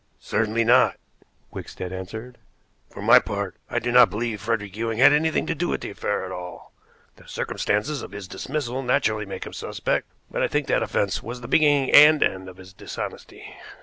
"Certainly not," Wickstead answered. "For my part, I do not believe Frederick Ewing had anything to do with the affair at all. The circumstances of his dismissal naturally make him suspect, but I think that offense was the beginning and end of his dishonesty."